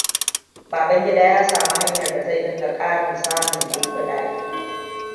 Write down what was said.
Babangida ya sami hanyar da zai dinga ƙara samun ƴan kuɗaɗe.